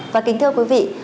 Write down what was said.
và kính thưa quý vị